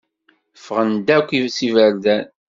Ffɣen-d akk s iberdan.